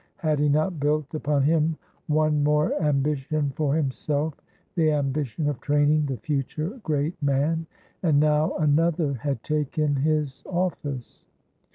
Had he not built upon him one more ambition for himself,—the ambition of training the future great man? And now another had taken his office.